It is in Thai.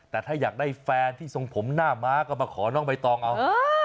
แต่ถ้าอยากได้แฟนที่ทรงผมหน้าม้าก็มาขอน้องใบตองเอา